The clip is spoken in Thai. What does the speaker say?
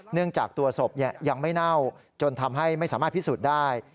เนื่องจากตัวศพยังไม่เน่าจนทำให้ไม่สามารถพิสูจน์ได้